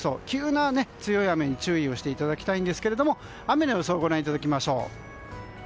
急な強い雨に注意をしていただきたいんですが雨の予想をご覧いただきましょう。